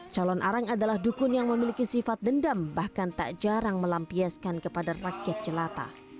calon arang adalah dukun yang memiliki sifat dendam bahkan tak jarang melampiaskan kepada rakyat jelata